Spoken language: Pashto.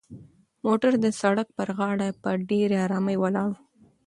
موټر د سړک په غاړه په ډېرې ارامۍ ولاړ و.